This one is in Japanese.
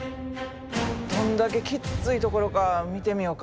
どんだけきっついところか見てみよか。